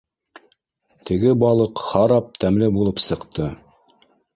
Теге балыҡ харап тәмле булып сыҡты.